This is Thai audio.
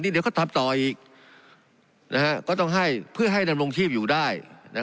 เดี๋ยวก็ทำต่ออีกก็ต้องให้เพื่อให้ดำรงชีพอยู่ได้